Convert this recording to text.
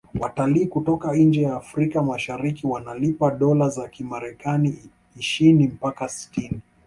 watalii kutoka nje ya afrika mashariki wanalipa dola za kimarekani ishini mpaka sitini